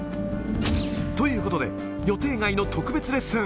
ということで、予定外の特別レッスン。